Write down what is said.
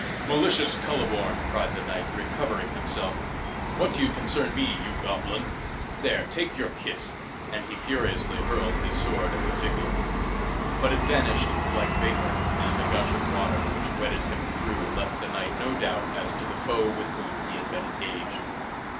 "Malicious Kuhleborn!" cried the knight, recovering himself, "What do you concern me, you goblin? There, take your kiss!" And he furiously hurled his sword at the figure. But it vanished like vapor, and a gush of water which wetted him through left the knight no doubt as to the foe with whom he had been engaged.